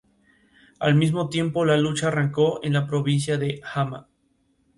Al mismo tiempo, la lucha arrancó en la provincia de Hama.